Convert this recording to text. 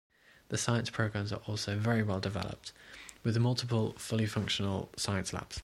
The science programs are also very well developed, with multiple fully functional science labs.